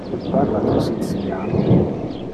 Parla tu siciliano?